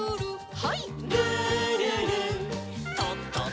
はい。